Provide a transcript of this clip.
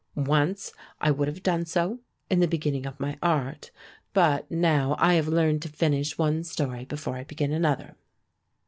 Once I would have done so, in the beginning of my art; but now I have learned to finish one story before I begin another.